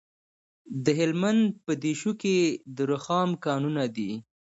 د هلمند په دیشو کې د رخام کانونه دي.